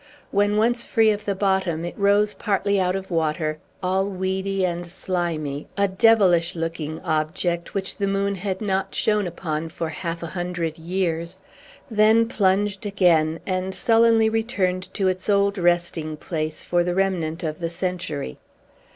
When once free of the bottom, it rose partly out of water, all weedy and slimy, a devilish looking object, which the moon had not shone upon for half a hundred years, then plunged again, and sullenly returned to its old resting place, for the remnant of the century.